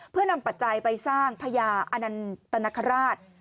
เพื่อนำปัจจัยไปสร้างพญาอนันตนคราช